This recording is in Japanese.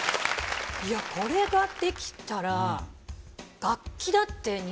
いやこれができたら。